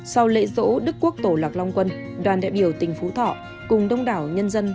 sau lễ dỗ đức quốc tổ lạc long quân đoàn đại biểu tỉnh phú thọ cùng đông đảo nhân dân